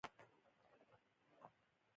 جواهرات د افغانستان د اقلیمي نظام ښکارندوی ده.